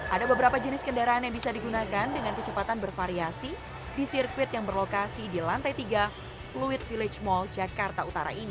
ada beberapa jenis kendaraan yang bisa digunakan dengan kecepatan bervariasi di sirkuit yang berlokasi di lantai tiga fluid village mall jakarta utara ini